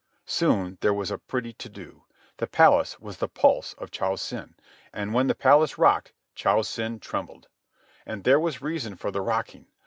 Soon there was a pretty to do. The palace was the pulse of Cho Sen, and when the palace rocked, Cho Sen trembled. And there was reason for the rocking.